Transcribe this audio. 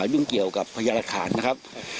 ยุ่งเกี่ยวกับพยานหลักฐานนะครับ